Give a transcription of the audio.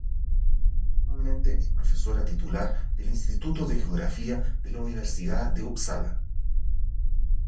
Actualmente es Profesora Titular del Instituto de Geografía de la Universidad de Upsala.